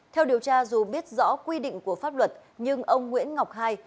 theo điều tra dù biết rõ quy định của pháp luật nhưng ông nguyễn ngọc hai